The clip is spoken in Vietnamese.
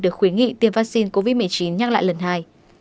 được khuyến nghị tiêm vaccine covid một mươi chín nhắc lại lần hai